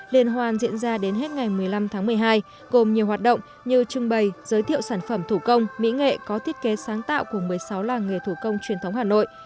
liên hoan diễn ra đến hết ngày một mươi năm tháng một mươi hai gồm nhiều hoạt động như trưng bày giới thiệu sản phẩm thủ công mỹ nghệ có thiết kế sáng tạo của một mươi sáu làng nghề thủ công truyền thống hà nội